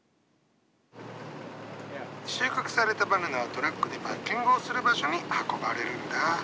収穫されたバナナはトラックでパッキングをする場所に運ばれるんだ。